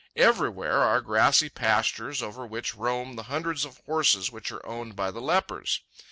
Everywhere are grassy pastures over which roam the hundreds of horses which are owned by the lepers.